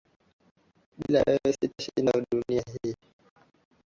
Bila wewe sita shinda dunia hii